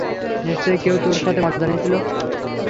নিশ্চয়ই কেউ তোর সাথে মজা নিচ্ছিল!